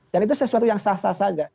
dan itu sesuatu yang sah sah saja